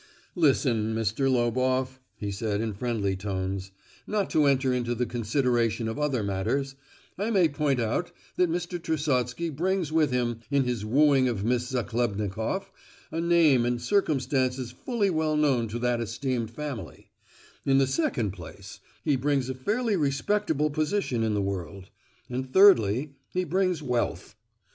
"Listen, Mr. Loboff," he said, in friendly tones, "not to enter into the consideration of other matters, I may point out that Mr. Trusotsky brings with him, in his wooing of Miss Zachlebnikoff, a name and circumstances fully well known to that esteemed family; in the second place, he brings a fairly respectable position in the world; and thirdly, he brings wealth.